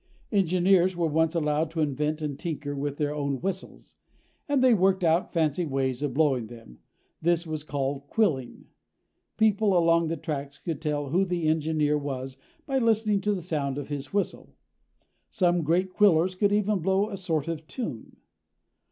Engineers were once allowed to invent and tinker with their own whistles, and they worked out fancy ways of blowing them. This was called quilling. People along the tracks could tell who the engineer was by listening to the sound of his whistle. Some great quillers could even blow a sort of tune.